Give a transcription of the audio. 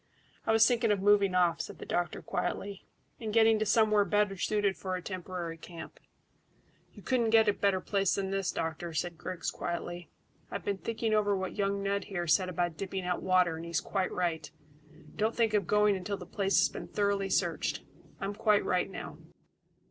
"I was thinking of moving off," said the doctor quietly, "and getting to somewhere better suited for a temporary camp." "You couldn't get a better place than this, doctor," said Griggs quietly. "I've been thinking over what young Ned here said about dipping out water, and he's quite right. Don't think of going until the place has been thoroughly searched. I'm quite right now."